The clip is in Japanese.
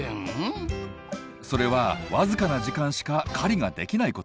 それは僅かな時間しか狩りができないこと。